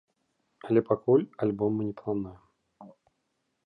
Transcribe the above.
Але пакуль альбом мы не плануем.